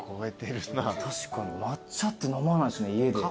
確かに抹茶って飲まないしな家で。